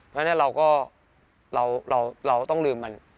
เพราะฉะนั้นเราก็เราต้องลืมมัน